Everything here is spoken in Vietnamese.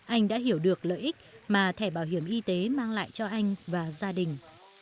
anh đã hiểu được lợi ích mà thẻ bảo hiểm y tế mang lại cho anh và gia đình